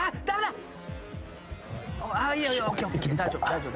大丈夫。